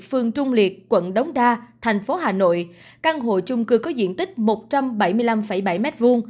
phương trung liệt quận đống đa thành phố hà nội căn hộ chung cư có diện tích một trăm bảy mươi năm bảy m hai